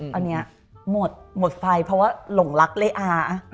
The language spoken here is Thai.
ตอนนี้หมดหมดไฟเพราะว่าหลงรักเลอา